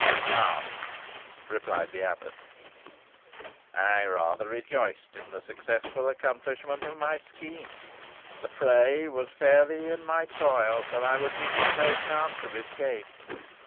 "None," replied the abbot; "I rather rejoiced in the successful accomplishment of my scheme. The prey was fairly in my toils, and I would give him no chance of escape.